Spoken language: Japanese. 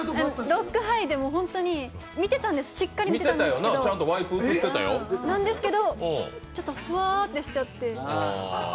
ロックハイで本当にしっかり見てたんですけど、ちょっとふわーってしちゃって。